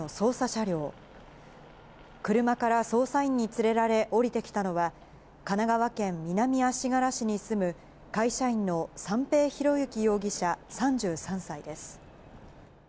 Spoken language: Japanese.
車から捜査員に連れられ、降りてきたのは、神奈川県南足柄市に住む、会社員の三瓶博幸容疑者３３歳です。